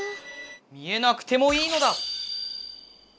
見えなくてもいいのだ！